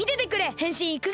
へんしんいくぞ！